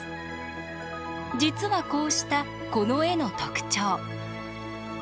実はこうしたこの絵の特徴。